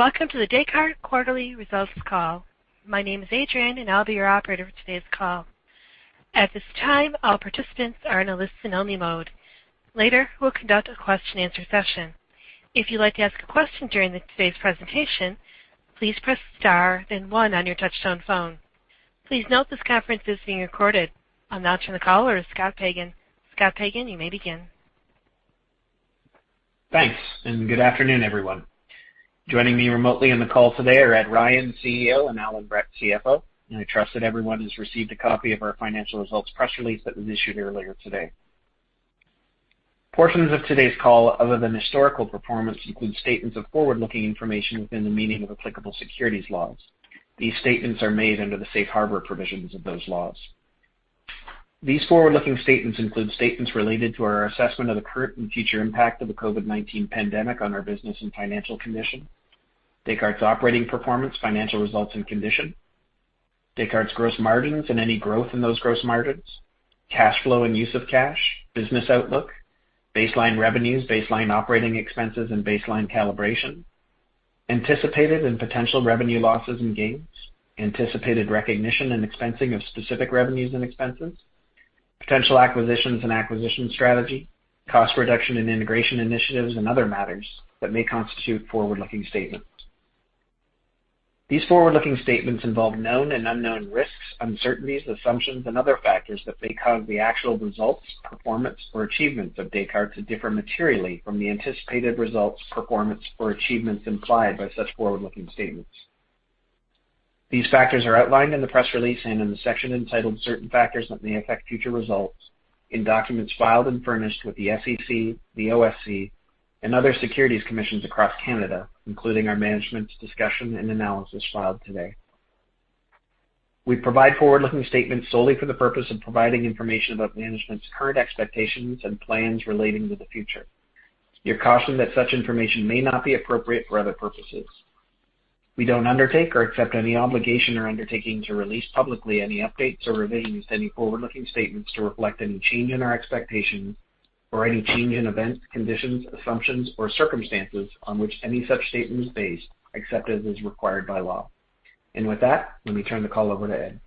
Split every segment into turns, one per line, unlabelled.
Welcome to The Descartes Quarterly Results Call. My name is [Adrianne]. I'll be your operator for today's call. At this time, all participants are in a listen-only mode. Later, we'll conduct a question and answer session. If you'd like to ask a question during today's presentation, please press star then one on your touchtone phone. Please note this conference is being recorded. I'll now turn the call over to Scott Pagan. Scott Pagan, you may begin.
Thanks, and good afternoon, everyone. Joining me remotely on the call today are Ed Ryan, CEO, and Allan Brett, CFO. I trust that everyone has received a copy of our financial results press release that was issued earlier today. Portions of today's call, other than historical performance, include statements of forward-looking information within the meaning of applicable securities laws. These statements are made under the safe harbor provisions of those laws. These forward-looking statements include statements related to our assessment of the current and future impact of the COVID-19 pandemic on our business and financial condition, Descartes' operating performance, financial results, and condition, Descartes' gross margins and any growth in those gross margins, cash flow and use of cash, business outlook, baseline revenues, baseline operating expenses, and baseline calibration, anticipated and potential revenue losses and gains, anticipated recognition and expensing of specific revenues and expenses, potential acquisitions and acquisition strategy, cost reduction and integration initiatives, and other matters that may constitute forward-looking statements. These forward-looking statements involve known and unknown risks, uncertainties, assumptions, and other factors that may cause the actual results, performance, or achievements of Descartes to differ materially from the anticipated results, performance, or achievements implied by such forward-looking statements. These factors are outlined in the press release and in the section entitled Certain Factors That May Affect Future Results in documents filed and furnished with the SEC, the OSC, and other securities commissions across Canada, including our management's discussion and analysis filed today. We provide forward-looking statements solely for the purpose of providing information about management's current expectations and plans relating to the future. You're cautioned that such information may not be appropriate for other purposes. We don't undertake or accept any obligation or undertaking to release publicly any updates or revisions to any forward-looking statements to reflect any change in our expectations or any change in events, conditions, assumptions, or circumstances on which any such statement is based, except as is required by law. With that, let me turn the call over to Ed.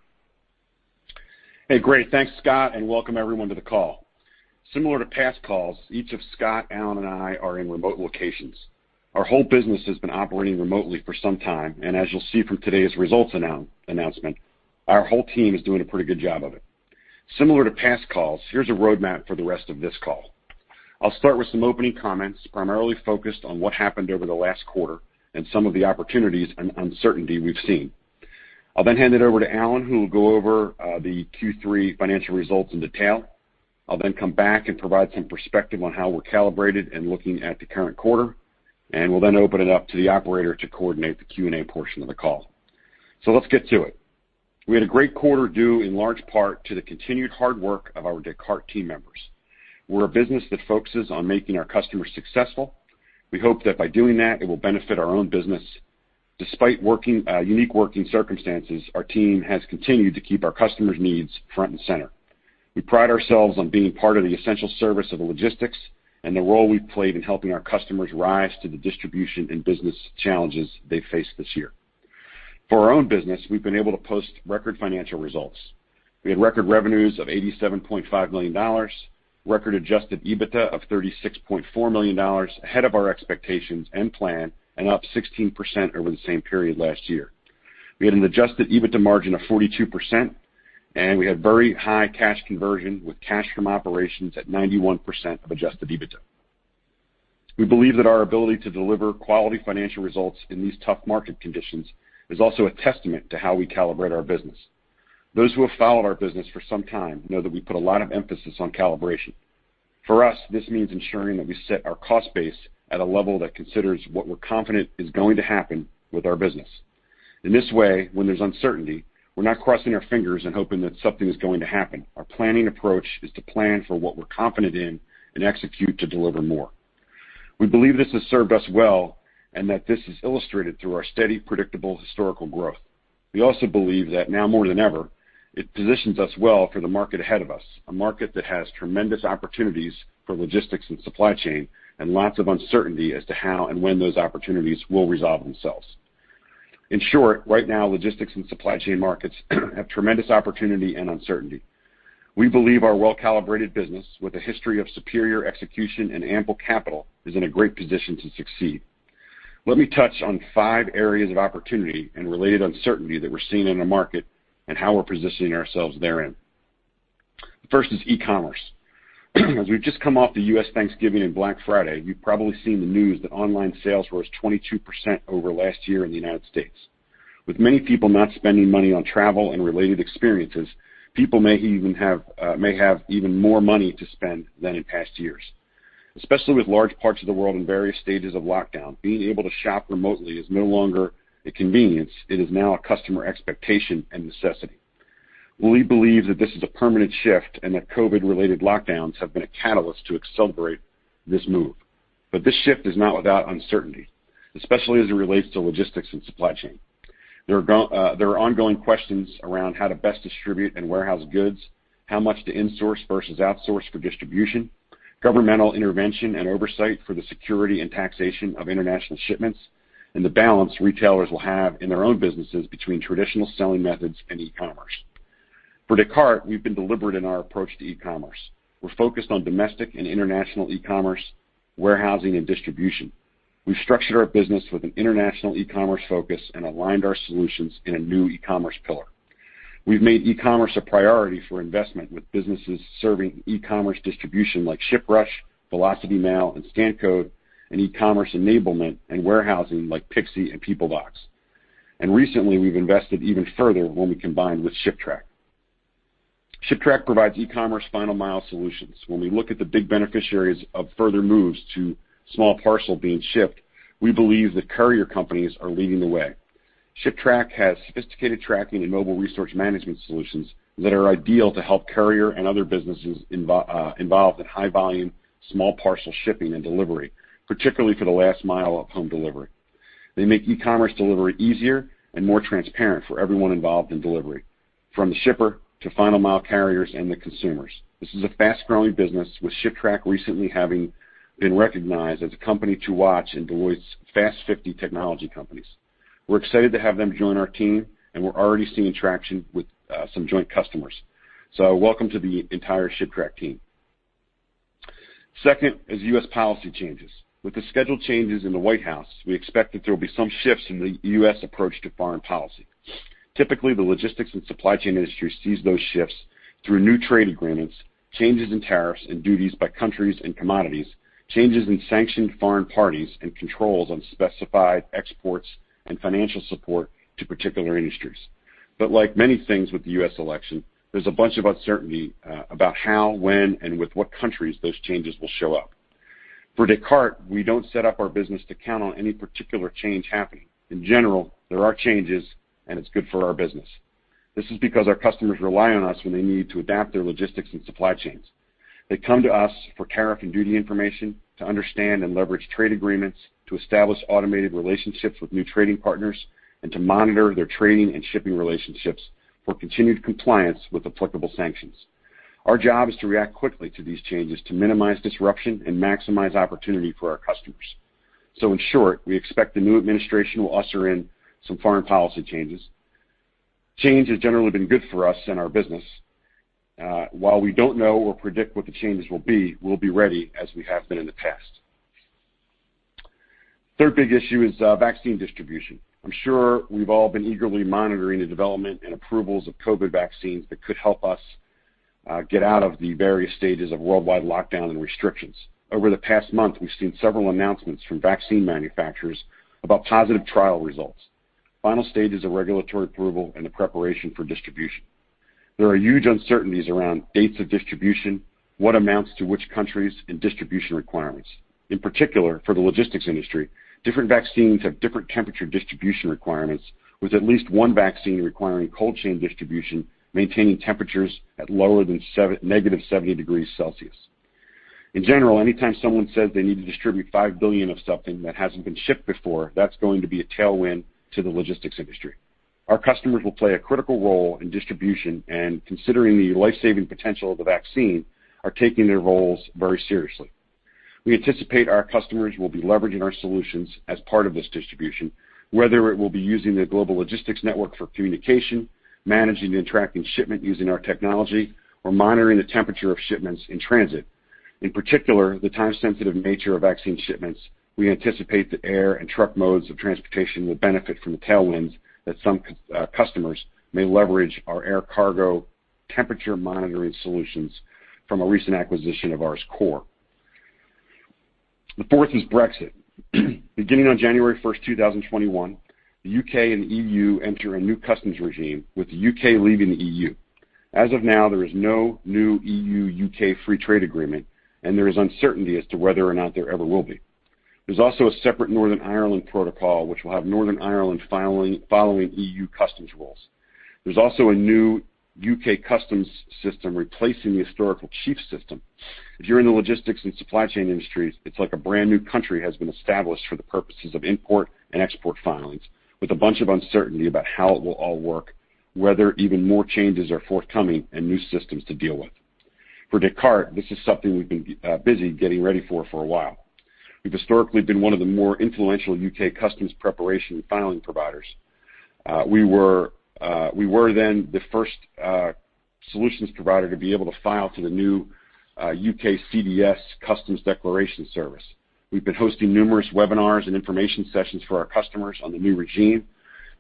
Hey, great. Thanks, Scott. Welcome everyone to the call. Similar to past calls, each of Scott, Allan, and I are in remote locations. Our whole business has been operating remotely for some time, and as you'll see from today's results announcement, our whole team is doing a pretty good job of it. Similar to past calls, here's a roadmap for the rest of this call. I'll start with some opening comments, primarily focused on what happened over the last quarter and some of the opportunities and uncertainty we've seen. I'll then hand it over to Allan, who will go over the Q3 financial results in detail. I'll then come back and provide some perspective on how we're calibrated and looking at the current quarter, and we'll then open it up to the operator to coordinate the Q&A portion of the call. Let's get to it. We had a great quarter due in large part to the continued hard work of our Descartes team members. We're a business that focuses on making our customers successful. We hope that by doing that, it will benefit our own business. Despite unique working circumstances, our team has continued to keep our customers' needs front and center. We pride ourselves on being part of the essential service of logistics and the role we've played in helping our customers rise to the distribution and business challenges they face this year. For our own business, we've been able to post record financial results. We had record revenues of $87.5 million, record adjusted EBITDA of $36.4 million, ahead of our expectations and plan, and up 16% over the same period last year. We had an adjusted EBITDA margin of 42%, and we had very high cash conversion with cash from operations at 91% of adjusted EBITDA. We believe that our ability to deliver quality financial results in these tough market conditions is also a testament to how we calibrate our business. Those who have followed our business for some time know that we put a lot of emphasis on calibration. For us, this means ensuring that we set our cost base at a level that considers what we're confident is going to happen with our business. In this way, when there's uncertainty, we're not crossing our fingers and hoping that something is going to happen. Our planning approach is to plan for what we're confident in and execute to deliver more. We believe this has served us well and that this is illustrated through our steady, predictable, historical growth. We also believe that now more than ever, it positions us well for the market ahead of us, a market that has tremendous opportunities for logistics and supply chain and lots of uncertainty as to how and when those opportunities will resolve themselves. In short, right now, logistics and supply chain markets have tremendous opportunity and uncertainty. We believe our well-calibrated business with a history of superior execution and ample capital is in a great position to succeed. Let me touch on five areas of opportunity and related uncertainty that we're seeing in the market and how we're positioning ourselves therein. The first is e-commerce. As we've just come off the U.S. Thanksgiving and Black Friday, you've probably seen the news that online sales rose 22% over last year in the United States. With many people not spending money on travel and related experiences, people may have even more money to spend than in past years. Especially with large parts of the world in various stages of lockdown, being able to shop remotely is no longer a convenience, it is now a customer expectation and necessity. We believe that this is a permanent shift and that COVID-related lockdowns have been a catalyst to accelerate this move. This shift is not without uncertainty, especially as it relates to logistics and supply chain. There are ongoing questions around how to best distribute and warehouse goods, how much to insource versus outsource for distribution, governmental intervention and oversight for the security and taxation of international shipments, and the balance retailers will have in their own businesses between traditional selling methods and e-commerce. For Descartes, we've been deliberate in our approach to e-commerce. We're focused on domestic and international e-commerce, warehousing, and distribution. We've structured our business with an international e-commerce focus and aligned our solutions in a new e-commerce pillar. We've made e-commerce a priority for investment with businesses serving e-commerce distribution like ShipRush, Velocity Mail, and ScanCode, and e-commerce enablement and warehousing like pixi and Peoplevox. Recently we've invested even further when we combined with ShipTrack. ShipTrack provides e-commerce final mile solutions. When we look at the big beneficiaries of further moves to small parcel being shipped, we believe that courier companies are leading the way. ShipTrack has sophisticated tracking and mobile resource management solutions that are ideal to help courier and other businesses involved in high volume, small parcel shipping and delivery, particularly for the last mile of home delivery. They make e-commerce delivery easier and more transparent for everyone involved in delivery, from the shipper to final mile carriers and the consumers. This is a fast-growing business with ShipTrack recently having been recognized as a company to watch in Deloitte's Technology Fast 50. We're excited to have them join our team, and we're already seeing traction with some joint customers. Welcome to the entire ShipTrack team. Second is U.S. policy changes. With the scheduled changes in the White House, we expect that there will be some shifts in the U.S. approach to foreign policy. Typically, the logistics and supply chain industry sees those shifts through new trade agreements, changes in tariffs and duties by countries and commodities, changes in sanctioned foreign parties, and controls on specified exports and financial support to particular industries. Like many things with the U.S. election, there's a bunch of uncertainty about how, when, and with what countries those changes will show up. For Descartes, we don't set up our business to count on any particular change happening. In general, there are changes, and it's good for our business. This is because our customers rely on us when they need to adapt their logistics and supply chains. They come to us for tariff and duty information, to understand and leverage trade agreements, to establish automated relationships with new trading partners, and to monitor their trading and shipping relationships for continued compliance with applicable sanctions. Our job is to react quickly to these changes to minimize disruption and maximize opportunity for our customers. In short, we expect the new administration will usher in some foreign policy changes. Change has generally been good for us and our business. While we don't know or predict what the changes will be, we'll be ready as we have been in the past. Third big issue is vaccine distribution. I'm sure we've all been eagerly monitoring the development and approvals of COVID vaccines that could help us get out of the various stages of worldwide lockdown and restrictions. Over the past month, we've seen several announcements from vaccine manufacturers about positive trial results, final stages of regulatory approval, and the preparation for distribution. There are huge uncertainties around dates of distribution, what amounts to which countries, and distribution requirements. In particular, for the logistics industry, different vaccines have different temperature distribution requirements, with at least one vaccine requiring cold chain distribution, maintaining temperatures at lower than -70 degrees Celsius. In general, anytime someone says they need to distribute 5 billion of something that hasn't been shipped before, that's going to be a tailwind to the logistics industry. Our customers will play a critical role in distribution and, considering the life-saving potential of the vaccine, are taking their roles very seriously. We anticipate our customers will be leveraging our solutions as part of this distribution, whether it will be using the Global Logistics Network for communication, managing and tracking shipment using our technology, or monitoring the temperature of shipments in transit. In particular, the time-sensitive nature of vaccine shipments, we anticipate the air and truck modes of transportation will benefit from the tailwinds that some customers may leverage our air cargo temperature monitoring solutions from a recent acquisition of ours, CORE. The fourth is Brexit. Beginning on January 1st, 2021, the U.K. and E.U. enter a new customs regime with the U.K. leaving the E.U. As of now, there is no new E.U.-U.K. free trade agreement, and there is uncertainty as to whether or not there ever will be. There's also a separate Northern Ireland Protocol which will have Northern Ireland following E.U. customs rules. There's also a new U.K. customs system replacing the historical CHIEF system. If you're in the logistics and supply chain industries, it's like a brand-new country has been established for the purposes of import and export filings, with a bunch of uncertainty about how it will all work, whether even more changes are forthcoming, and new systems to deal with. For Descartes, this is something we've been busy getting ready for for a while. We've historically been one of the more influential U.K. customs preparation filing providers. We were the first solutions provider to be able to file to the new U.K. CDS Customs Declaration Service. We've been hosting numerous webinars and information sessions for our customers on the new regime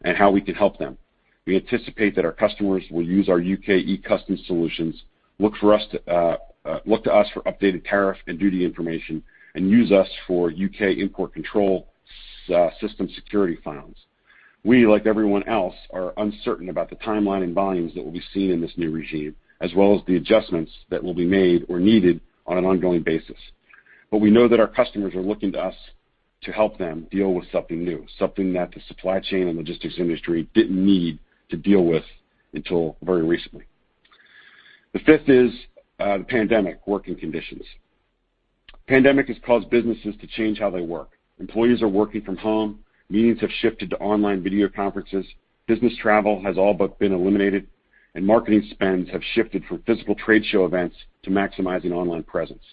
and how we can help them. We anticipate that our customers will use our U.K. e-Customs solutions, look to us for updated tariff and duty information, and use us for U.K. import control system security filings. We, like everyone else, are uncertain about the timeline and volumes that will be seen in this new regime, as well as the adjustments that will be made or needed on an ongoing basis. We know that our customers are looking to us to help them deal with something new, something that the supply chain and logistics industry didn't need to deal with until very recently. The fifth is the pandemic working conditions. Pandemic has caused businesses to change how they work. Employees are working from home, meetings have shifted to online video conferences, business travel has all but been eliminated, and marketing spends have shifted from physical trade show events to maximizing online presence.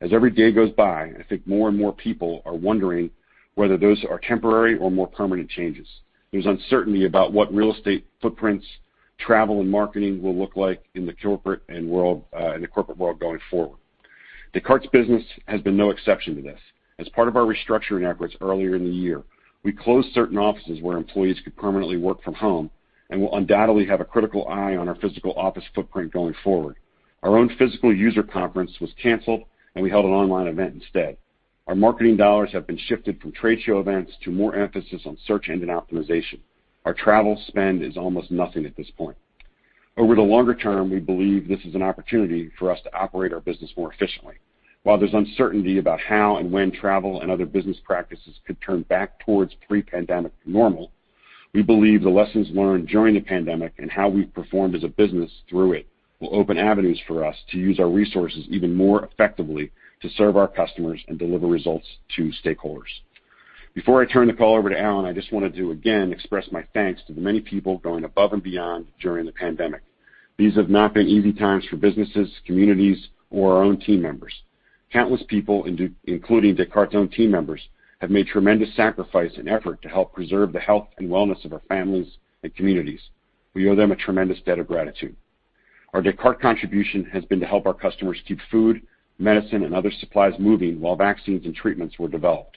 As every day goes by, I think more and more people are wondering whether those are temporary or more permanent changes. There's uncertainty about what real estate footprints, travel, and marketing will look like in the corporate world going forward. Descartes' business has been no exception to this. As part of our restructuring efforts earlier in the year, we closed certain offices where employees could permanently work from home and will undoubtedly have a critical eye on our physical office footprint going forward. Our own physical user conference was canceled, and we held an online event instead. Our marketing dollars have been shifted from trade show events to more emphasis on search engine optimization. Our travel spend is almost nothing at this point. Over the longer term, we believe this is an opportunity for us to operate our business more efficiently. While there's uncertainty about how and when travel and other business practices could turn back towards pre-pandemic normal, we believe the lessons learned during the pandemic and how we've performed as a business through it will open avenues for us to use our resources even more effectively to serve our customers and deliver results to stakeholders. Before I turn the call over to Allan, I just want to again express my thanks to the many people going above and beyond during the pandemic. These have not been easy times for businesses, communities, or our own team members. Countless people, including Descartes' own team members, have made tremendous sacrifice and effort to help preserve the health and wellness of our families and communities. We owe them a tremendous debt of gratitude. Our Descartes contribution has been to help our customers keep food, medicine, and other supplies moving while vaccines and treatments were developed.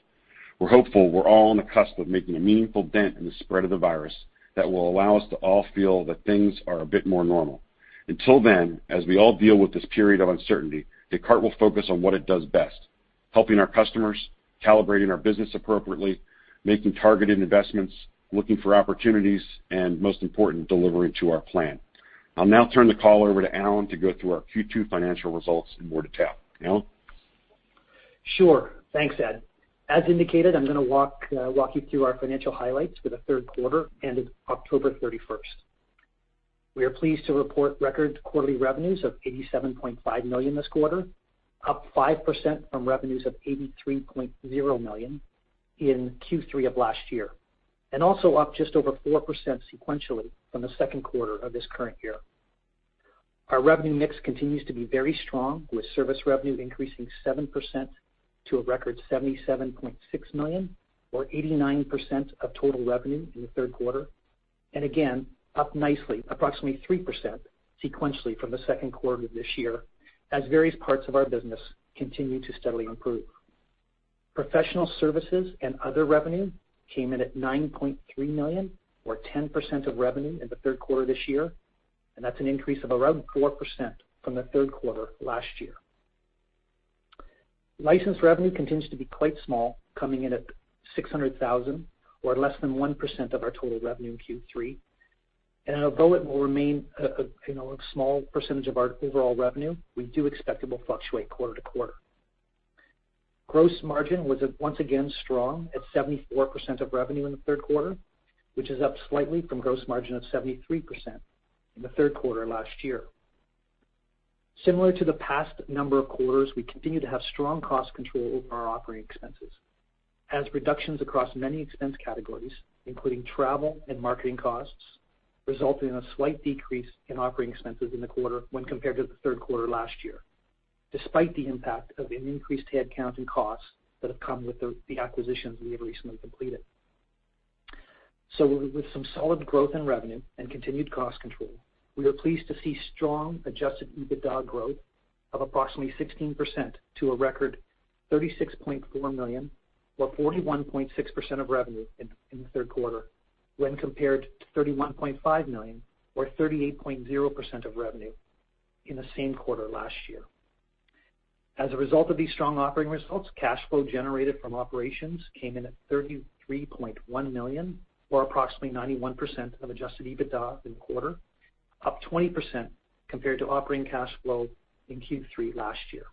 We're hopeful we're all on the cusp of making a meaningful dent in the spread of the virus that will allow us to all feel that things are a bit more normal. Until then, as we all deal with this period of uncertainty, Descartes will focus on what it does best, helping our customers, calibrating our business appropriately, making targeted investments, looking for opportunities, and most important, delivering to our plan. I'll now turn the call over to Allan to go through our Q2 financial results in more detail. Allan?
Sure. Thanks, Ed. As indicated, I'm going to walk you through our financial highlights for the third quarter ended October 31st. We are pleased to report record quarterly revenues of $87.5 million this quarter, up 5% from revenues of $83.0 million in Q3 of last year, and also up just over 4% sequentially from the second quarter of this current year. Our revenue mix continues to be very strong, with service revenue increasing 7% to a record $77.6 million or 89% of total revenue in the third quarter, and again, up nicely approximately 3% sequentially from the second quarter of this year, as various parts of our business continue to steadily improve. Professional services and other revenue came in at $9.3 million or 10% of revenue in the third quarter this year, and that's an increase of around 4% from the third quarter last year. License revenue continues to be quite small, coming in at $600,000 or less than 1% of our total revenue in Q3. Although it will remain a small percentage of our overall revenue, we do expect it will fluctuate quarter to quarter. Gross margin was once again strong at 74% of revenue in the third quarter, which is up slightly from gross margin of 73% in the third quarter last year. Similar to the past number of quarters, we continue to have strong cost control over our operating expenses as reductions across many expense categories, including travel and marketing costs, resulting in a slight decrease in operating expenses in the quarter when compared to the third quarter last year, despite the impact of an increased headcount and costs that have come with the acquisitions we have recently completed. With some solid growth in revenue and continued cost control, we are pleased to see strong adjusted EBITDA growth of approximately 16% to a record $36.4 million or 41.6% of revenue in the third quarter when compared to $31.5 million or 38.0% of revenue in the same quarter last year. As a result of these strong operating results, cash flow generated from operations came in at $33.1 million or approximately 91% of adjusted EBITDA in the quarter, up 20% compared to operating cash flow in Q3 last year.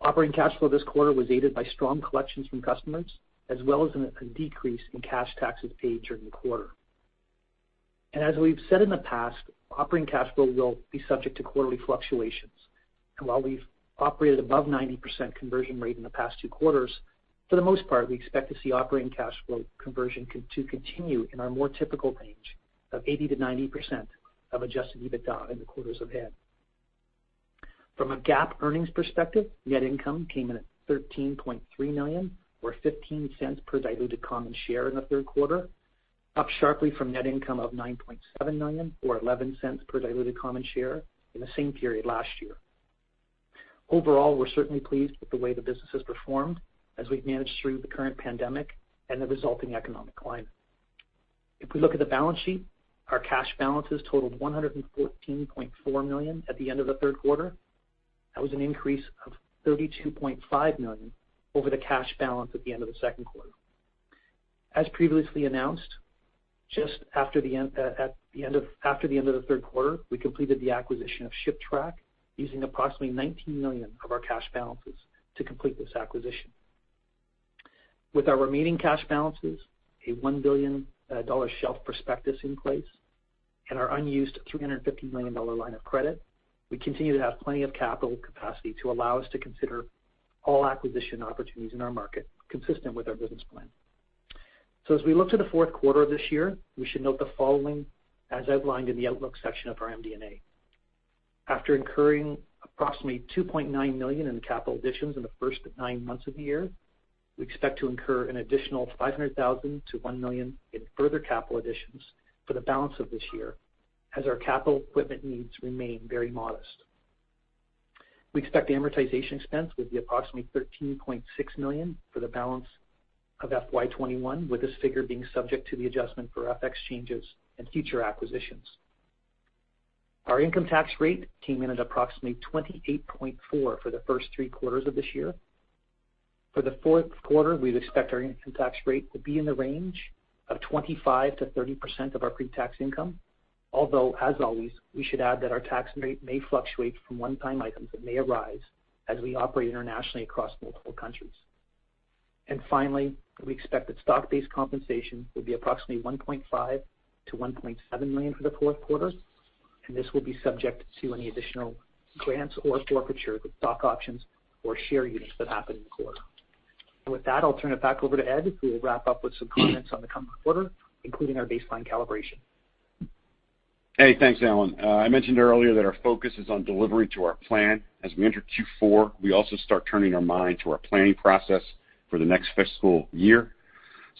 Operating cash flow this quarter was aided by strong collections from customers, as well as a decrease in cash taxes paid during the quarter. As we've said in the past, operating cash flow will be subject to quarterly fluctuations. While we've operated above 90% conversion rate in the past two quarters, for the most part, we expect to see operating cash flow conversion to continue in our more typical range of 80%-90% of adjusted EBITDA in the quarters ahead. From a GAAP earnings perspective, net income came in at $13.3 million or $0.15 per diluted common share in the third quarter, up sharply from net income of $9.7 million or $0.11 per diluted common share in the same period last year. Overall, we're certainly pleased with the way the business has performed as we've managed through the current pandemic and the resulting economic climate. If we look at the balance sheet, our cash balances totaled $114.4 million at the end of the third quarter. That was an increase of $32.5 million over the cash balance at the end of the second quarter. As previously announced, just after the end of the third quarter, we completed the acquisition of ShipTrack using approximately $19 million of our cash balances to complete this acquisition. With our remaining cash balances, a $1 billion shelf prospectus in place, and our unused $350 million line of credit, we continue to have plenty of capital capacity to allow us to consider all acquisition opportunities in our market consistent with our business plan. As we look to the fourth quarter of this year, we should note the following as outlined in the outlook section of our MD&A. After incurring approximately $2.9 million in capital additions in the first nine months of the year, we expect to incur an additional $500,000-$1 million in further capital additions for the balance of this year, as our capital equipment needs remain very modest. We expect amortization expense will be approximately $13.6 million for the balance of FY 2021, with this figure being subject to the adjustment for FX changes and future acquisitions. Our income tax rate came in at approximately 28.4% for the first three quarters of this year. For the fourth quarter, we expect our income tax rate to be in the range of 25%-30% of our pre-tax income, although, as always, we should add that our tax rate may fluctuate from one-time items that may arise as we operate internationally across multiple countries. Finally, we expect that stock-based compensation will be approximately $1.5 million-$1.7 million for the fourth quarter, and this will be subject to any additional grants or forfeitures of stock options or share units that happen in the quarter. With that, I'll turn it back over to Ed, who will wrap up with some comments on the coming quarter, including our baseline calibration.
Hey, thanks, Allan. I mentioned earlier that our focus is on delivery to our plan. As we enter Q4, we also start turning our mind to our planning process for the next fiscal year.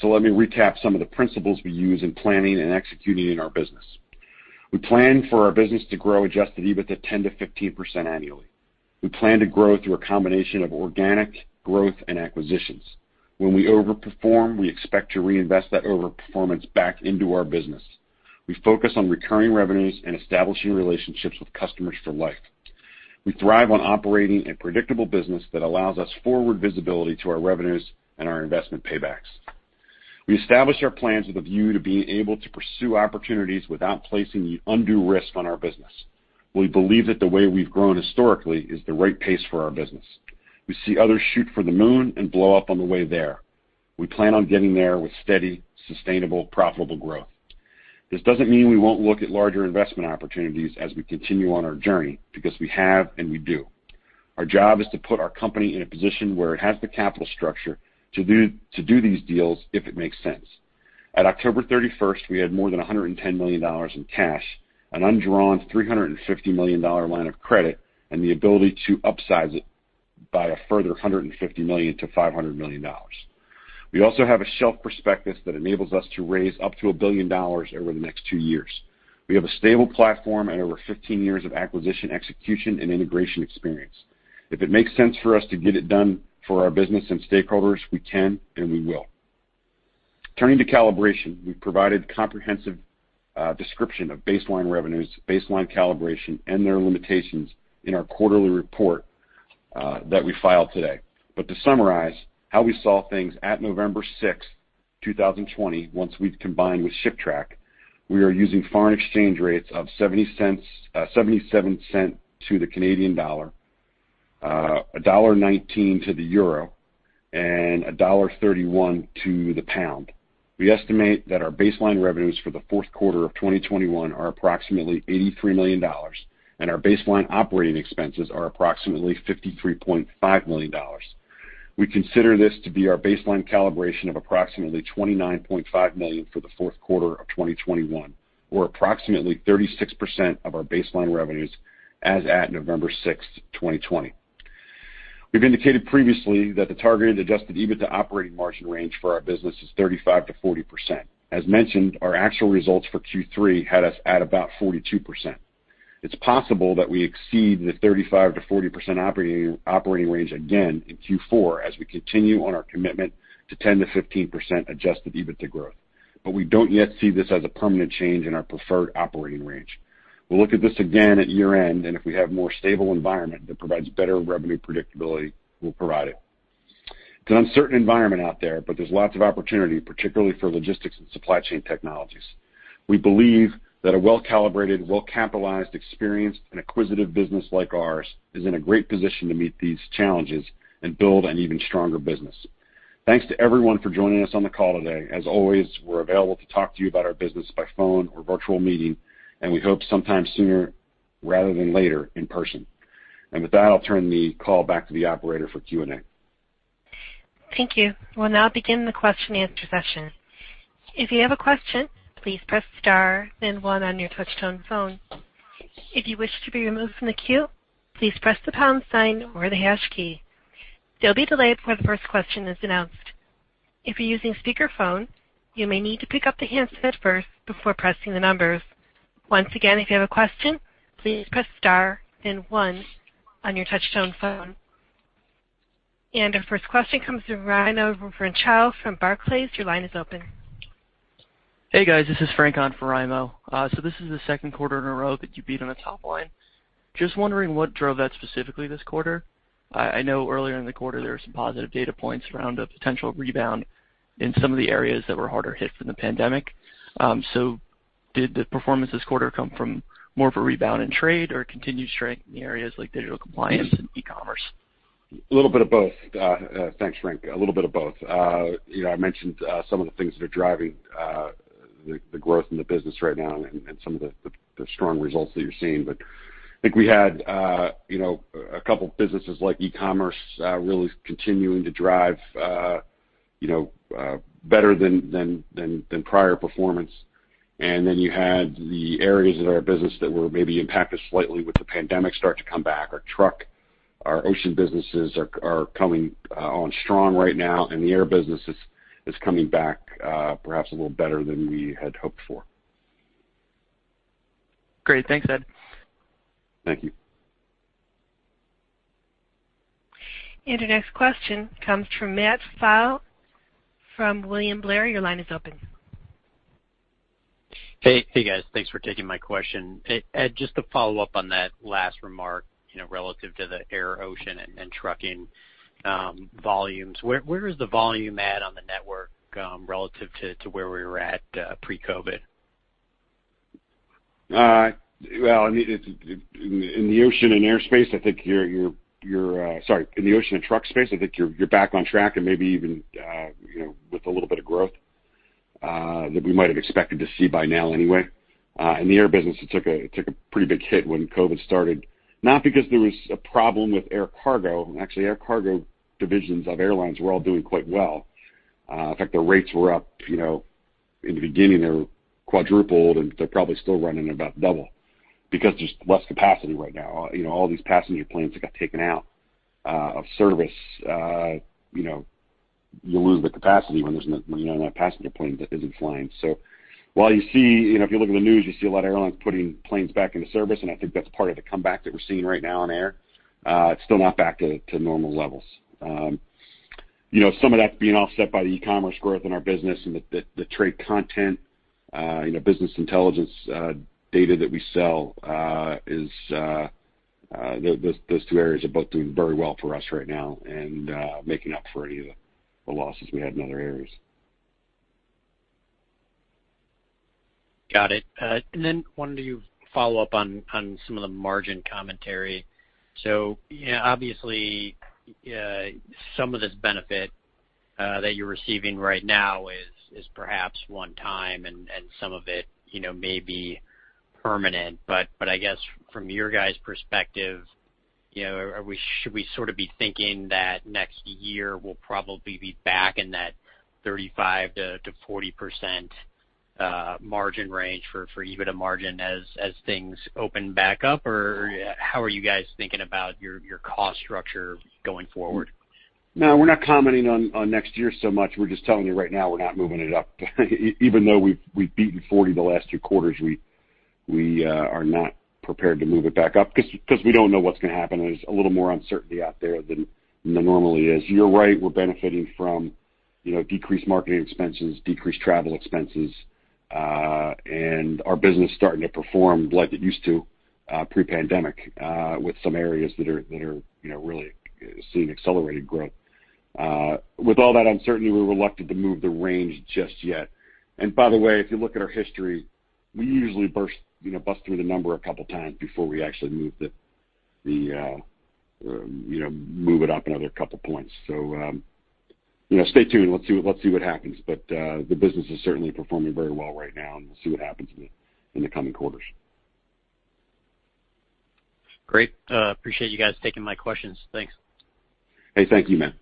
Let me recap some of the principles we use in planning and executing in our business. We plan for our business to grow adjusted EBITDA 10%-15% annually. We plan to grow through a combination of organic growth and acquisitions. When we overperform, we expect to reinvest that overperformance back into our business. We focus on recurring revenues and establishing relationships with customers for life. We thrive on operating a predictable business that allows us forward visibility to our revenues and our investment paybacks. We establish our plans with a view to being able to pursue opportunities without placing undue risk on our business. We believe that the way we've grown historically is the right pace for our business. We see others shoot for the moon and blow up on the way there. We plan on getting there with steady, sustainable, profitable growth. This doesn't mean we won't look at larger investment opportunities as we continue on our journey, because we have and we do. Our job is to put our company in a position where it has the capital structure to do these deals if it makes sense. At October 31st, we had more than $110 million in cash, an undrawn $350 million line of credit, and the ability to upsize it by a further $150 million-$500 million. We also have a shelf prospectus that enables us to raise up to $1 billion over the next two years. We have a stable platform and over 15 years of acquisition, execution, and integration experience. If it makes sense for us to get it done for our business and stakeholders, we can and we will. Turning to calibration, we've provided a comprehensive description of baseline revenues, baseline calibration, and their limitations in our quarterly report that we filed today. But to summarize how we saw things at November 6, 2020, once we've combined with ShipTrack, we are using foreign exchange rates of $0.77 to the Canadian dollar, $1.19 to the euro, and $1.31 to the pound. We estimate that our baseline revenues for the fourth quarter of 2021 are approximately $83 million, and our baseline operating expenses are approximately $53.5 million. We consider this to be our baseline calibration of approximately $29.5 million for the fourth quarter of 2021, or approximately 36% of our baseline revenues as at November 6, 2020. We've indicated previously that the targeted adjusted EBITDA operating margin range for our business is 35%-40%. As mentioned, our actual results for Q3 had us at about 42%. It's possible that we exceed the 35%-40% operating range again in Q4 as we continue on our commitment to 10%-15% adjusted EBITDA growth. We don't yet see this as a permanent change in our preferred operating range. We'll look at this again at year-end, and if we have a more stable environment that provides better revenue predictability, we'll provide it. It's an uncertain environment out there, but there's lots of opportunity, particularly for logistics and supply chain technologies. We believe that a well-calibrated, well-capitalized, experienced, and acquisitive business like ours is in a great position to meet these challenges and build an even stronger business. Thanks to everyone for joining us on the call today. As always, we're available to talk to you about our business by phone or virtual meeting, and we hope sometime sooner rather than later in person. With that, I'll turn the call back to the operator for Q&A.
Thank you. We'll now begin the question and answer session. If you have a question, please press star, then one on your touch-tone phone. If you wish to be removed from the queue, please press the pound sign or the hash key. There'll be a delay before the first question is announced. If you're using speakerphone, you may need to pick up the handset first before pressing the numbers. Once again, if you have a question, please press star, then one on your touch-tone phone. Our first question comes from Raimo Lenschow from Barclays. Your line is open.
Hey, guys, this is Frank on for Raimo. This is the second quarter in a row that you beat on the top line. Just wondering what drove that specifically this quarter. I know earlier in the quarter there were some positive data points around a potential rebound in some of the areas that were harder hit from the pandemic. Did the performance this quarter come from more of a rebound in trade or continued strength in areas like digital compliance and e-commerce?
A little bit of both. Thanks, [Frank]. A little bit of both. I mentioned some of the things that are driving the growth in the business right now and some of the strong results that you're seeing. I think we had a couple businesses like e-commerce really continuing to drive better than prior performance. You had the areas of our business that were maybe impacted slightly with the pandemic start to come back. Our truck, our ocean businesses are coming on strong right now, and the air business is coming back perhaps a little better than we had hoped for.
Great. Thanks, Ed.
Thank you.
The next question comes from Matt Pfau from William Blair. Your line is open.
Hey, guys. Thanks for taking my question. Ed, just to follow up on that last remark, relative to the air, ocean, and trucking volumes, where is the volume at on the network relative to where we were at pre-COVID?
Well, in the ocean and truck space, I think you're back on track and maybe even with a little bit of growth that we might have expected to see by now anyway. In the air business, it took a pretty big hit when COVID started, not because there was a problem with air cargo. Actually, air cargo divisions of airlines were all doing quite well. In fact, their rates were up. In the beginning, they were quadrupled, and they're probably still running about double because there's less capacity right now. All these passenger planes that got taken out of service. You lose the capacity when that passenger plane isn't flying. While if you look at the news, you see a lot of airlines putting planes back into service, and I think that's part of the comeback that we're seeing right now on air. It's still not back to normal levels. Some of that's being offset by the e-commerce growth in our business and the trade content business intelligence data that we sell. Those two areas are both doing very well for us right now and making up for any of the losses we had in other areas.
Got it. Then wanted to follow up on some of the margin commentary. Obviously, some of this benefit that you're receiving right now is perhaps one time, and some of it may be permanent. I guess from your guys' perspective, should we sort of be thinking that next year we'll probably be back in that 35%-40% margin range for EBITDA margin as things open back up? How are you guys thinking about your cost structure going forward?
We're not commenting on next year so much. We're just telling you right now, we're not moving it up. Even though we've beaten 40 the last two quarters, we are not prepared to move it back up because we don't know what's going to happen. There's a little more uncertainty out there than there normally is. You're right, we're benefiting from decreased marketing expenses, decreased travel expenses, and our business starting to perform like it used to pre-pandemic with some areas that are really seeing accelerated growth. With all that uncertainty, we're reluctant to move the range just yet. By the way, if you look at our history, we usually bust through the number a couple times before we actually move it up another couple points. Stay tuned. Let's see what happens. The business is certainly performing very well right now, and we'll see what happens in the coming quarters.
Great. Appreciate you guys taking my questions. Thanks.
Hey, thank you, Matt.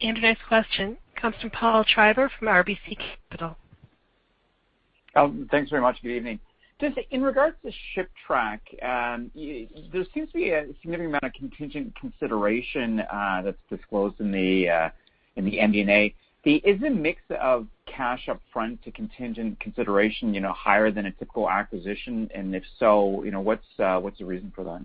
Today's question comes from Paul Treiber from RBC Capital.
Thanks very much. Good evening. In regards to ShipTrack, there seems to be a significant amount of contingent consideration that is disclosed in the MD&A. Is the mix of cash up front to contingent consideration higher than a typical acquisition? If so, what is the reason for that?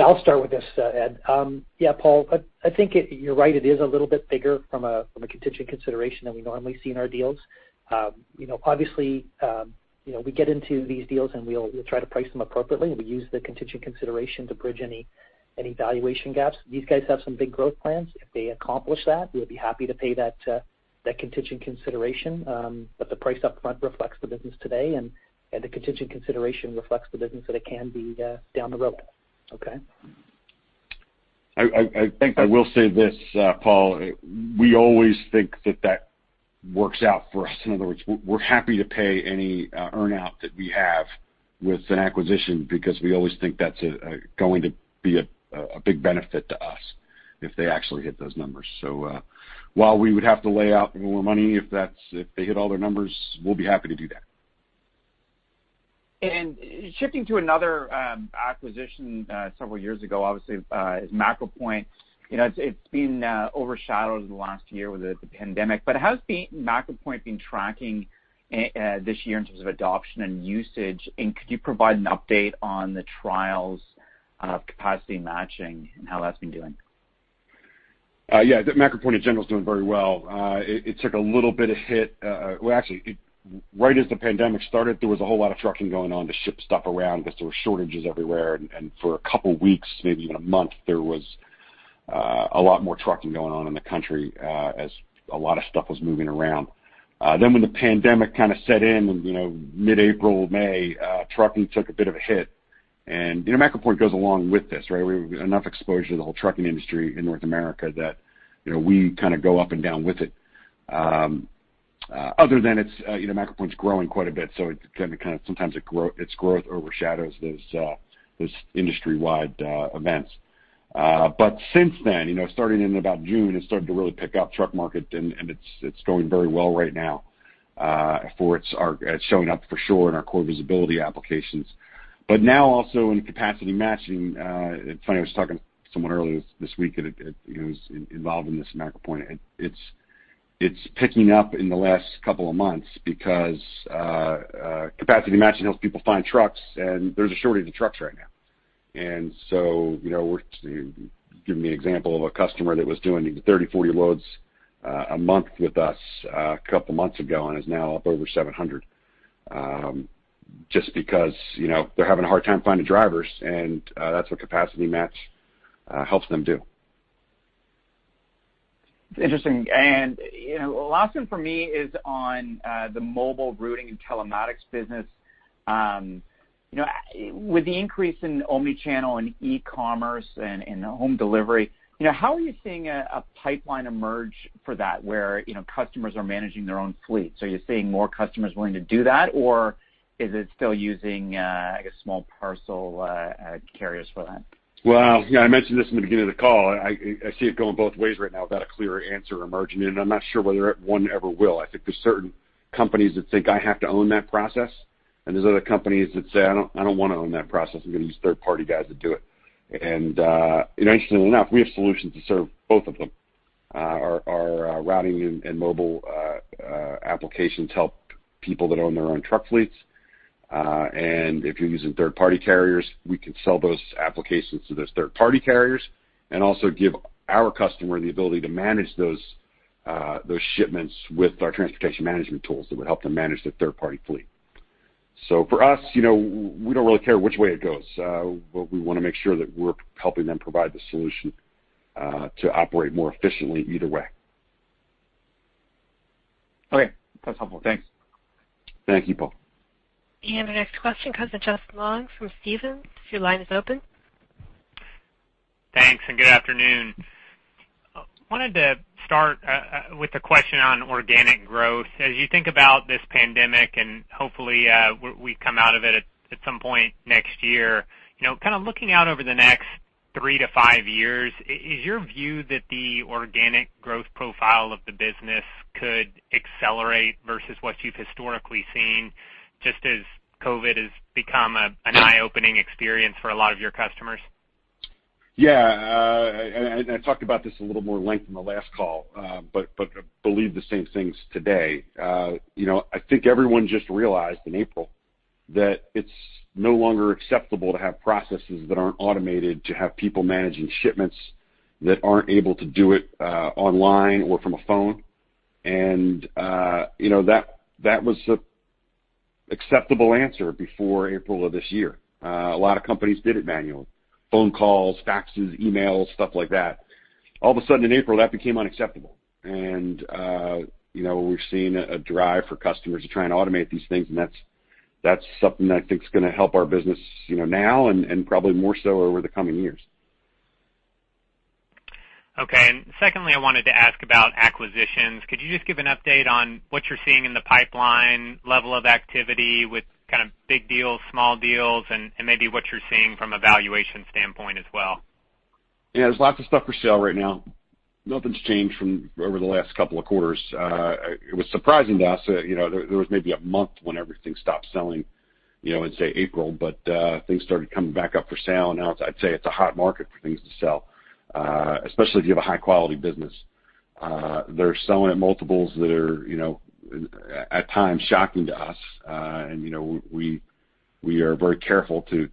I'll start with this, Ed. Paul, I think you're right. It is a little bit bigger from a contingent consideration than we normally see in our deals. Obviously, we get into these deals, and we try to price them appropriately, and we use the contingent consideration to bridge any valuation gaps. These guys have some big growth plans. If they accomplish that, we'll be happy to pay that contingent consideration. The price up front reflects the business today, and the contingent consideration reflects the business that it can be down the road.
Okay.
I think I will say this, Paul. We always think that that works out for us. In other words, we're happy to pay any earn-out that we have with an acquisition because we always think that's going to be a big benefit to us if they actually hit those numbers. While we would have to lay out more money if they hit all their numbers, we'll be happy to do that.
Shifting to another acquisition several years ago, obviously, is MacroPoint. It's been overshadowed the last year with the pandemic, but how has MacroPoint been tracking this year in terms of adoption and usage? Could you provide an update on the trials of capacity matching and how that's been doing?
Yeah, MacroPoint in general is doing very well. It took a little bit of hit. Well, actually, right as the pandemic started, there was a whole lot of trucking going on to ship stuff around because there were shortages everywhere. For a couple of weeks, maybe even a month, there was a lot more trucking going on in the country as a lot of stuff was moving around. When the pandemic set in mid-April, May, trucking took a bit of a hit. MacroPoint goes along with this, right? We have enough exposure to the whole trucking industry in North America that we go up and down with it. Other than MacroPoint is growing quite a bit, so sometimes its growth overshadows those industry-wide events. Since then, starting in about June, it started to really pick up, truck market, and it's going very well right now for it's showing up for sure in our core visibility applications. Now also in capacity matching, it's funny, I was talking to someone earlier this week who's involved in this at MacroPoint, it's picking up in the last couple of months because capacity matching helps people find trucks, and there's a shortage of trucks right now. We're giving the example of a customer that was doing 30, 40 loads a month with us a couple of months ago and is now up over 700. Just because they're having a hard time finding drivers, and that's what capacity match helps them do.
Interesting. The last one for me is on the mobile routing and telematics business. With the increase in omni-channel and e-commerce and home delivery, how are you seeing a pipeline emerge for that, where customers are managing their own fleet? Are you seeing more customers willing to do that, or is it still using, I guess, small parcel carriers for that?
I mentioned this in the beginning of the call. I see it going both ways right now without a clear answer emerging, and I'm not sure whether one ever will. I think there's certain companies that think I have to own that process, and there's other companies that say, "I don't want to own that process. I'm going to use third-party guys to do it." Interestingly enough, we have solutions to serve both of them. Our routing and mobile applications help people that own their own truck fleets. If you're using third-party carriers, we can sell those applications to those third-party carriers and also give our customer the ability to manage those shipments with our transportation management tools that would help them manage their third-party fleet. For us, we don't really care which way it goes. What we want to make sure that we're helping them provide the solution to operate more efficiently either way.
Okay. That's helpful. Thanks.
Thank you, Paul.
Our next question comes in Justin Long from Stephens. Your line is open.
Thanks. Good afternoon. I wanted to start with a question on organic growth. As you think about this pandemic, and hopefully, we come out of it at some point next year, kind of looking out over the next three to five years, is your view that the organic growth profile of the business could accelerate versus what you've historically seen, just as COVID has become an eye-opening experience for a lot of your customers?
Yeah. I talked about this in a little more length in the last call. Believe the same things today. I think everyone just realized in April that it's no longer acceptable to have processes that aren't automated, to have people managing shipments that aren't able to do it online or from a phone. That was the acceptable answer before April of this year. A lot of companies did it manually. Phone calls, faxes, emails, stuff like that. All of a sudden in April, that became unacceptable. We're seeing a drive for customers to try and automate these things, and that's something that I think is going to help our business now and probably more so over the coming years.
Okay. Secondly, I wanted to ask about acquisitions. Could you just give an update on what you're seeing in the pipeline, level of activity with kind of big deals, small deals, and maybe what you're seeing from a valuation standpoint as well?
There's lots of stuff for sale right now. Nothing's changed from over the last couple of quarters. It was surprising to us. There was maybe a month when everything stopped selling in, say, April, but things started coming back up for sale. I'd say it's a hot market for things to sell. Especially if you have a high-quality business. They're selling at multiples that are at times shocking to us. We are very careful to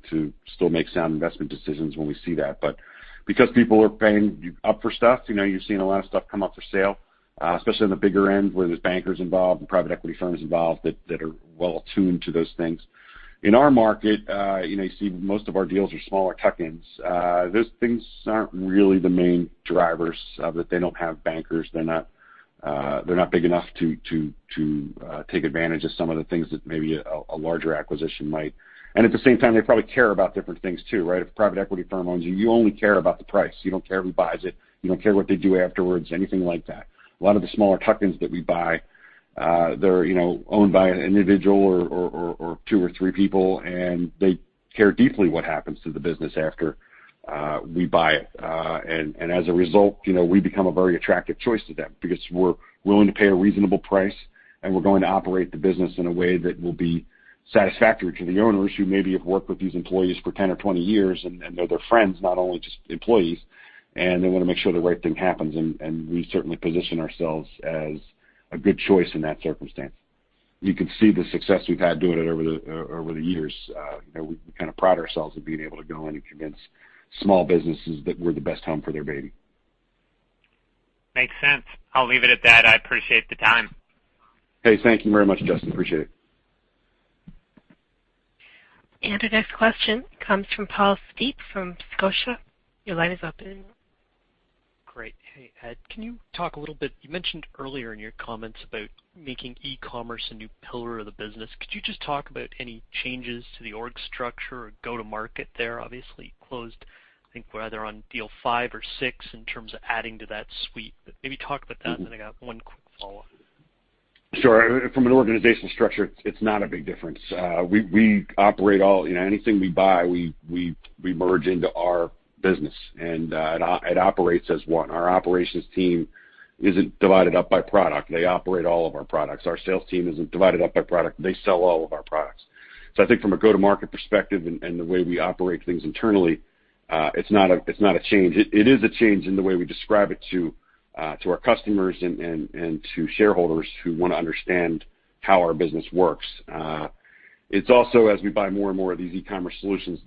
still make sound investment decisions when we see that, but because people are paying up for stuff, you're seeing a lot of stuff come up for sale, especially on the bigger end, where there's bankers involved and private equity firms involved that are well attuned to those things. In our market, you see most of our deals are smaller tuck-ins. Those things aren't really the main drivers of it. They don't have bankers. They're not big enough to take advantage of some of the things that maybe a larger acquisition might. At the same time, they probably care about different things, too, right? If a private equity firm owns you only care about the price. You don't care who buys it. You don't care what they do afterwards, anything like that. A lot of the smaller tuck-ins that we buy, they're owned by an individual or two or three people, and they care deeply what happens to the business after we buy it. As a result, we become a very attractive choice to them because we're willing to pay a reasonable price, and we're going to operate the business in a way that will be satisfactory to the owners who maybe have worked with these employees for 10 or 20 years and they're their friends, not only just employees, and they want to make sure the right thing happens, and we certainly position ourselves as a good choice in that circumstance. You can see the success we've had doing it over the years. We kind of pride ourselves in being able to go in and convince small businesses that we're the best home for their baby.
Makes sense. I'll leave it at that. I appreciate the time.
Hey, thank you very much, Justin. Appreciate it.
Our next question comes from Paul Steep from Scotia. Your line is open.
Great. Hey, Ed, can you talk a little bit, you mentioned earlier in your comments about making e-commerce a new pillar of the business? Could you just talk about any changes to the org structure or go to market there? Obviously, you closed, I think we're either on deal five or six in terms of adding to that suite, but maybe talk about that, and then I got one quick follow-up?
Sure. From an organizational structure, it's not a big difference. Anything we buy, we merge into our business, and it operates as one. Our operations team isn't divided up by product. They operate all of our products. Our sales team isn't divided up by product. They sell all of our products. I think from a go-to-market perspective and the way we operate things internally, it's not a change. It is a change in the way we describe it to our customers and to shareholders who want to understand how our business works. It's also as we buy more and more of these e-commerce solutions,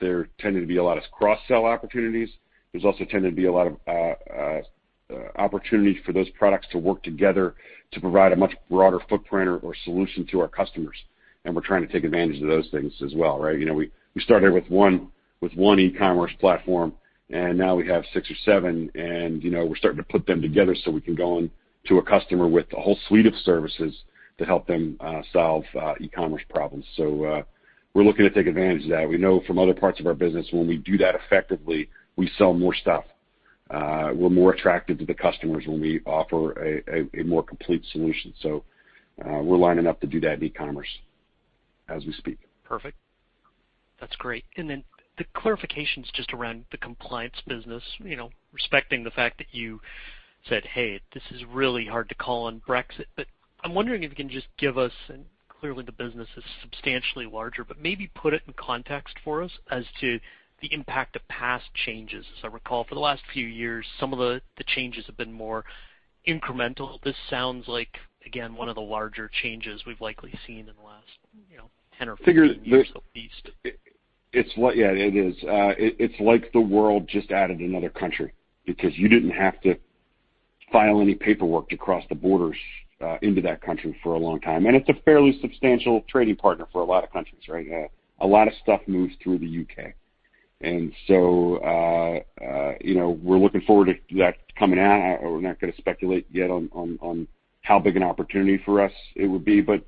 there tend to be a lot of cross-sell opportunities. There's also tend to be a lot of opportunities for those products to work together to provide a much broader footprint or solution to our customers, and we're trying to take advantage of those things as well, right? We started with one e-commerce platform, and now we have six or seven, and we're starting to put them together so we can go into a customer with a whole suite of services to help them solve e-commerce problems. We're looking to take advantage of that. We know from other parts of our business, when we do that effectively, we sell more stuff. We're more attractive to the customers when we offer a more complete solution. We're lining up to do that in e-commerce as we speak.
Perfect. That's great. The clarifications just around the compliance business, respecting the fact that you said, "Hey, this is really hard to call on Brexit," but I'm wondering if you can just give us, and clearly the business is substantially larger, but maybe put it in context for us as to the impact of past changes. As I recall, for the last few years, some of the changes have been more incremental. This sounds like, again, one of the larger changes we've likely seen in the last 10 or 15 years at least.
Yeah, it is. It's like the world just added another country because you didn't have to file any paperwork to cross the borders into that country for a long time. It's a fairly substantial trading partner for a lot of countries, right? A lot of stuff moves through the U.K. We're looking forward to that coming out. We're not going to speculate yet on how big an opportunity for us it would be, but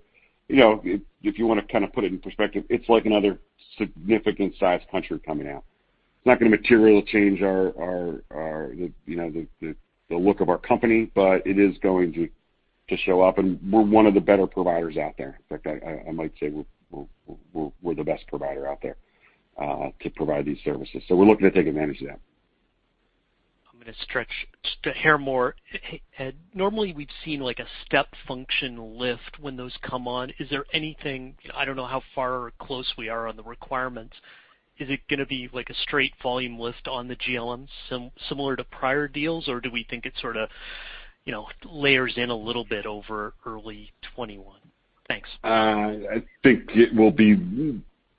if you want to kind of put it in perspective, it's like another significant size country coming out. It's not going to materially change the look of our company, but it is going to show up, and we're one of the better providers out there. In fact, I might say we're the best provider out there to provide these services. We're looking to take advantage of that.
I'm going to stretch just a hair more. Hey, Ed, normally we've seen like a step function lift when those come on. Is there anything, I don't know how far or close we are on the requirements. Is it going to be like a straight volume lift on the GLN, similar to prior deals, or do we think it sort of layers in a little bit over early 2021? Thanks.
I think it will be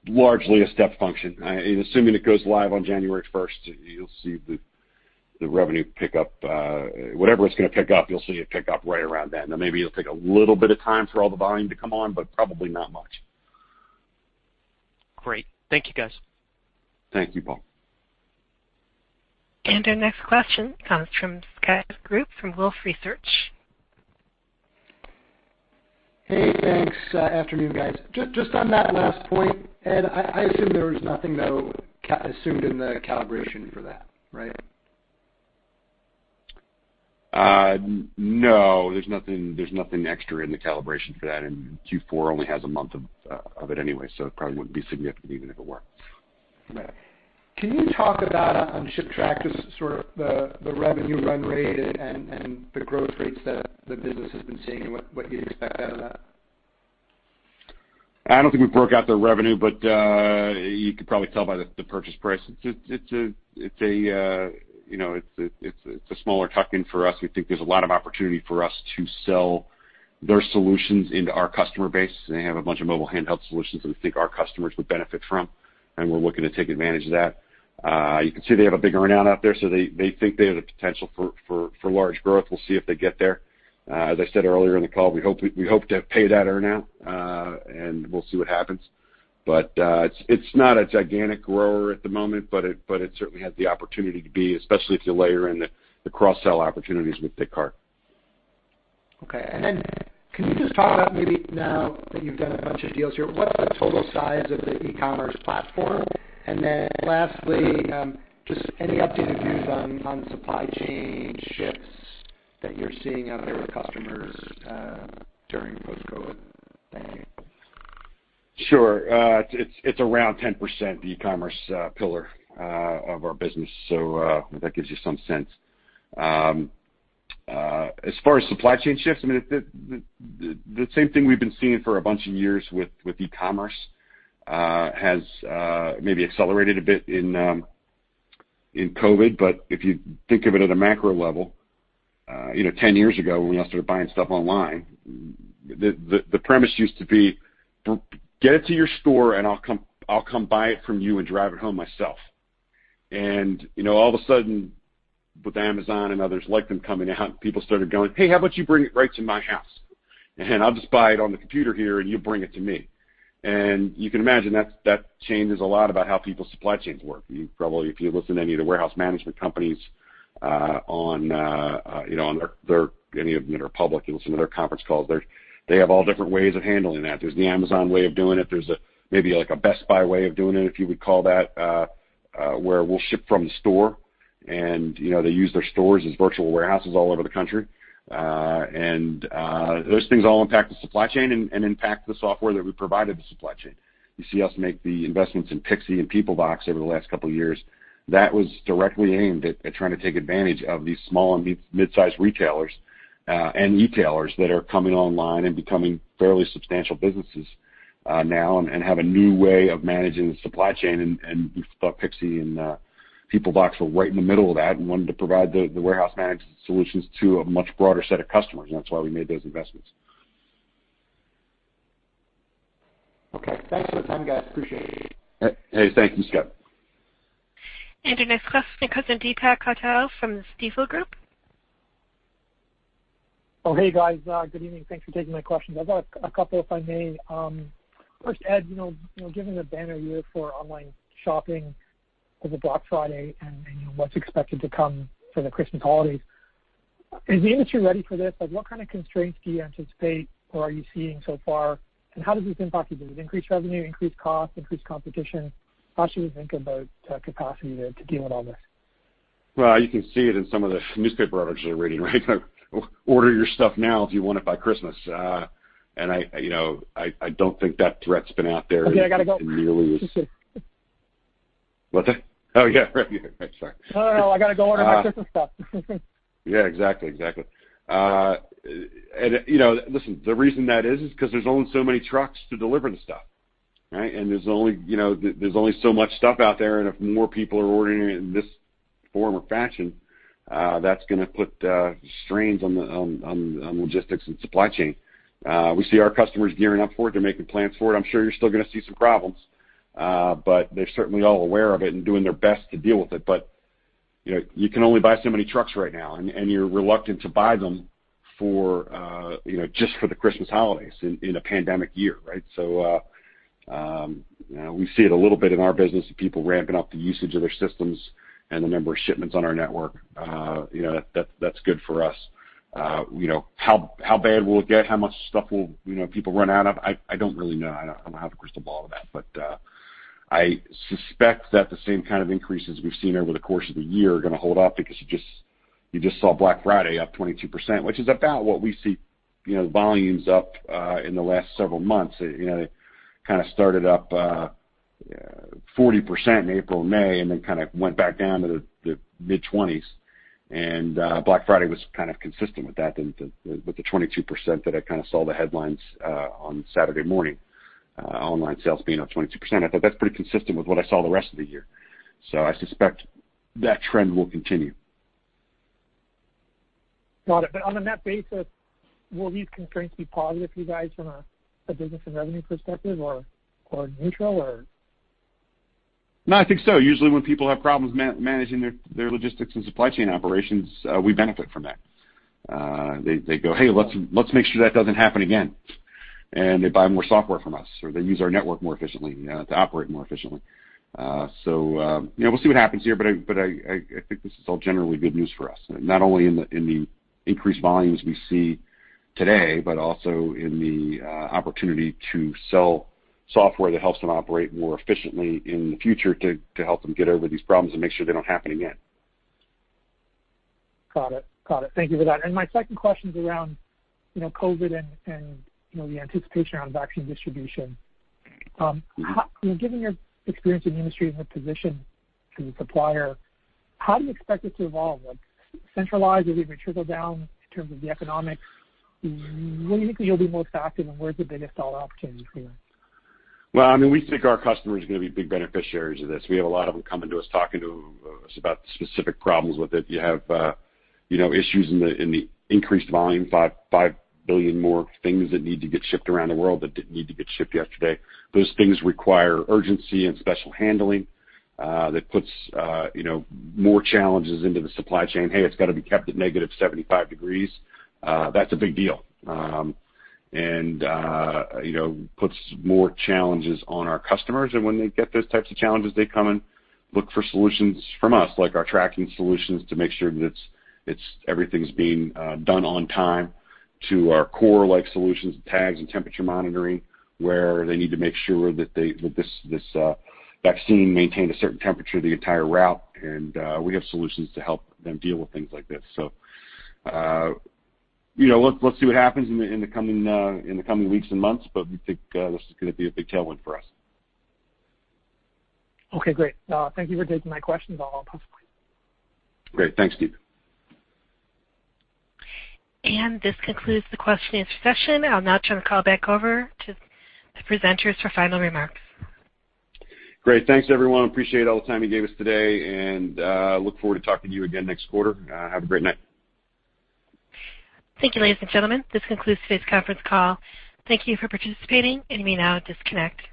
largely a step function. Assuming it goes live on January 1st, you'll see the revenue pick up. Whatever it's going to pick up, you'll see it pick up right around then. Now, maybe it'll take a little bit of time for all the volume to come on, but probably not much.
Great. Thank you, guys.
Thank you, Paul.
Our next question comes from Scott Group from Wolfe Research.
Hey, thanks. Afternoon, guys. Just on that last point, Ed, I assume there was nothing, though, assumed in the calibration for that, right?
No, there's nothing extra in the calibration for that, and Q4 only has a month of it anyway, so it probably wouldn't be significant even if it were.
Right. Can you talk about ShipTrack, just sort of the revenue run rate and the growth rates that the business has been seeing and what you expect out of that?
I don't think we've broken out their revenue, but you could probably tell by the purchase price. It's a smaller tuck-in for us. We think there's a lot of opportunity for us to sell their solutions into our customer base. They have a bunch of mobile handheld solutions that we think our customers would benefit from. We're looking to take advantage of that. You can see they have a big earn-out out there. They think they have the potential for large growth. We'll see if they get there. As I said earlier in the call, we hope to pay that earn-out. We'll see what happens. It's not a gigantic grower at the moment. It certainly has the opportunity to be, especially if you layer in the cross-sell opportunities with Descartes.
Okay. Then can you just talk about maybe now that you've done a bunch of deals here, what's the total size of the e-commerce platform? Then lastly, just any updated views on supply chain shifts that you're seeing out of your customers during post-COVID? Thanks.
Sure. It's around 10%, the e-commerce pillar of our business. If that gives you some sense. As far as supply chain shifts, I mean, the same thing we've been seeing for a bunch of years with e-commerce has maybe accelerated a bit in COVID-19. If you think of it at a macro level, 10 years ago, when we all started buying stuff online, the premise used to be, get it to your store, and I'll come buy it from you and drive it home myself. All of a sudden, with Amazon and others like them coming out, people started going, "Hey, how about you bring it right to my house? I'll just buy it on the computer here, and you bring it to me." You can imagine that changes a lot about how people's supply chains work. Probably, if you listen to any of the warehouse management companies, any of them that are public, you listen to their conference calls, they have all different ways of handling that. There's the Amazon way of doing it. There's maybe a Best Buy way of doing it, if you would call that, where we'll ship from the store, and they use their stores as virtual warehouses all over the country. Those things all impact the supply chain and impact the software that we provide at the supply chain. You see us make the investments in pixi and Peoplevox over the last couple of years. That was directly aimed at trying to take advantage of these small and midsize retailers and e-tailers that are coming online and becoming fairly substantial businesses now and have a new way of managing the supply chain. We thought pixi and Peoplevox were right in the middle of that and wanted to provide the warehouse management solutions to a much broader set of customers, and that's why we made those investments.
Okay. Thanks for the time, guys. Appreciate it.
Hey, thank you, Scott.
Our next question comes in. Deepak Kaushal from the Stifel Group.
Oh, hey, guys. Good evening. Thanks for taking my questions. I've got a couple, if I may. First, Ed, given the banner year for online shopping with the Black Friday and what's expected to come for the Christmas holidays, is the industry ready for this? What kind of constraints do you anticipate or are you seeing so far, and how does this impact you? Does it increase revenue, increase cost, increase competition? How should we think about capacity to deal with all this?
Well, you can see it in some of the newspaper articles I'm reading. Order your stuff now if you want it by Christmas. I don't think that threat's been out there in years.
Okay, I got to go.
What's that? Oh, yeah. Right. Sorry.
No, no. I got to go order my Christmas stuff.
Yeah, exactly. Listen, the reason that is because there's only so many trucks to deliver the stuff, right? There's only so much stuff out there, and if more people are ordering it in this form or fashion, that's going to put strains on logistics and supply chain. We see our customers gearing up for it. They're making plans for it. I'm sure you're still going to see some problems. They're certainly all aware of it and doing their best to deal with it. You can only buy so many trucks right now, and you're reluctant to buy them just for the Christmas holidays in a pandemic year, right? We see it a little bit in our business of people ramping up the usage of their systems and the number of shipments on our Network. That's good for us. How bad will it get? How much stuff will people run out of? I don't really know. I don't have a crystal ball of that. But I suspect that the same kind of increases we've seen over the course of the year are going to hold up because you just saw Black Friday up 22%, which is about what we see the volumes up in the last several months. It kind of started up 40% in April, May, and then kind of went back down to the mid-20s. Black Friday was kind of consistent with that, with the 22% that I kind of saw the headlines on Saturday morning, online sales being up 22%. I thought that's pretty consistent with what I saw the rest of the year. I suspect that trend will continue.
Got it. On the net basis, will these constraints be positive for you guys from a business and revenue perspective, or neutral, or?
No, I think so. Usually, when people have problems managing their logistics and supply chain operations, we benefit from that. They go, "Hey, let's make sure that doesn't happen again." They buy more software from us, or they use our network more efficiently to operate more efficiently. We'll see what happens here, but I think this is all generally good news for us, not only in the increased volumes we see today, but also in the opportunity to sell software that helps them operate more efficiently in the future to help them get over these problems and make sure they don't happen again.
Got it. Thank you for that. My second question is around COVID-19 and the anticipation around vaccine distribution. Given your experience in the industry and the position as a supplier, how do you expect it to evolve? Centralized or even trickle down in terms of the economics? Where do you think you'll be most active, and where's the biggest dollar opportunity for you?
Well, we think our customers are going to be big beneficiaries of this. We have a lot of them coming to us, talking to us about specific problems with it. You have issues in the increased volume, 5 billion more things that need to get shipped around the world that need to get shipped yesterday. Those things require urgency and special handling that puts more challenges into the supply chain. Hey, it's got to be kept at -75 degrees. That's a big deal. Puts more challenges on our customers. When they get those types of challenges, they come and look for solutions from us, like our tracking solutions to make sure that everything's being done on time to our core solutions, tags, and temperature monitoring, where they need to make sure that this vaccine maintained a certain temperature the entire route. We have solutions to help them deal with things like this. Let's see what happens in the coming weeks and months, but we think this is going to be a big tailwind for us.
Okay, great. Thank you for taking my questions. I'll pass the mic.
Great. Thanks, Deepak.
This concludes the questioning session. I'll now turn the call back over to the presenters for final remarks.
Great. Thanks, everyone. Appreciate all the time you gave us today, and look forward to talking to you again next quarter. Have a great night.
Thank you, ladies and gentlemen. This concludes today's conference call. Thank you for participating. You may now disconnect.